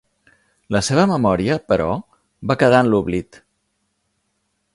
La seva memòria, però, va quedar en l'oblit.